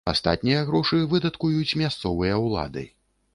Астатнія грошы выдаткуюць мясцовыя улады.